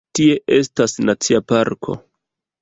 Tie estas nacia parko.